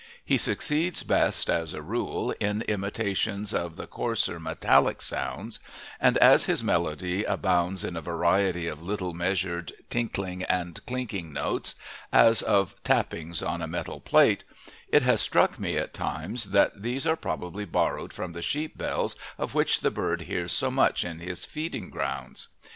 He succeeds best, as a rule, in imitations of the coarser, metallic sounds, and as his medley abounds in a variety of little, measured, tinkling, and clinking notes, as of tappings on a metal plate, it has struck me at times that these are probably borrowed from the sheep bells of which the bird hears so much in his feeding grounds.